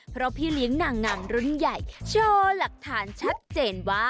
เพราะพี่เลี้ยงนางงามรุ่นใหญ่โชว์หลักฐานชัดเจนว่า